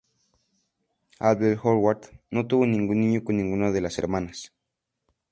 Albert Howard no tuvo ningún niño con ninguna de las hermanas.